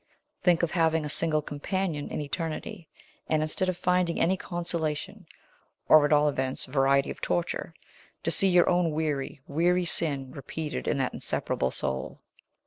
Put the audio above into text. "Think of having a single companion in eternity, and instead of finding any consolation, or at all events variety of torture, to see your own weary, weary sin repeated in that inseparable soul."